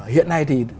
hiện nay thì